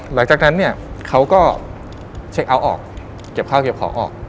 หลังจากนั้นเนี่ยเขาก็เช็คเอาท์ออกเก็บข้าวเก็บของออก